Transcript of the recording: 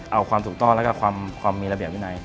เอาความถูกต้องแล้วก็ความมีระเบียบวินัย